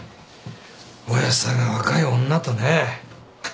親父さんが若い女とね。